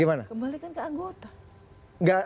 kembalikan ke anggota